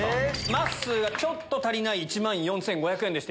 まっすーがちょっと足りない１万４５００円でした。